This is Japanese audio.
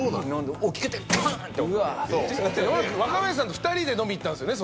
若林さんと２人で飲み行ったんすよね